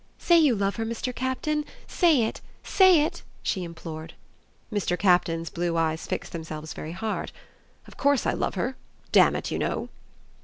"Say you love her, Mr. Captain; say it, say it!" she implored. Mr. Captain's blue eyes fixed themselves very hard. "Of course I love her, damn it, you know!"